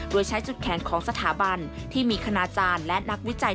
โดยใช้จุดแข็งของสถาบันที่มีคณาจารย์และนักวิจัย